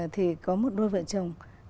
thì có một đôi vợ chồng